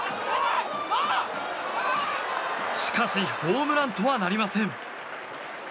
しかし、ホームランとはなりません。